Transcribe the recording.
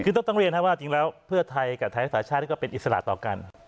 คือต้องเรียนครับว่าจริงแล้วเพื่อไทยกับไทยรักษาชาติก็เป็นอิสระต่อกัน